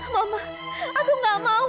mama aku nggak mau